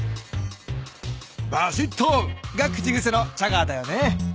「バシっと」が口ぐせのチャガーだよね。